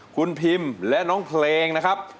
คุณพิมและน้องเพลงนะครับ